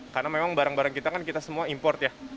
karena memang barang barang kita kan kita semua import ya